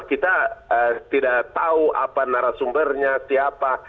kita tidak tahu apa narasumbernya siapa